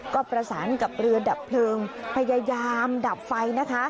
ก็ประสานกับเรือดับเพลิงพยายามดับไฟนะคะ